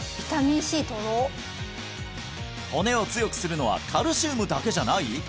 骨を強くするのはカルシウムだけじゃない！？